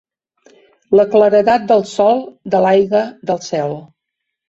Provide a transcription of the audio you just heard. La claredat del sol, de l'aigua, del cel.